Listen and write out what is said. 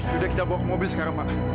sudah kita bawa ke mobil sekarang pak